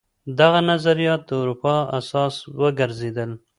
دغه نظريات د اروپا اساس وګرځېدل.